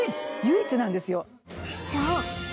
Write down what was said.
唯一なんですよ